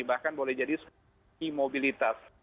bahkan boleh jadi seperti mobilitas